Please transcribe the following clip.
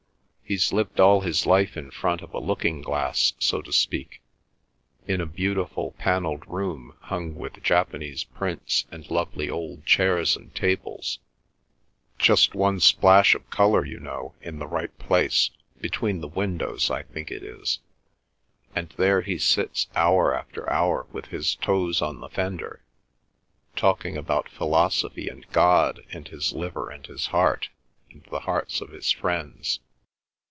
He's lived all his life in front of a looking glass, so to speak, in a beautiful panelled room, hung with Japanese prints and lovely old chairs and tables, just one splash of colour, you know, in the right place,—between the windows I think it is,—and there he sits hour after hour with his toes on the fender, talking about philosophy and God and his liver and his heart and the hearts of his friends.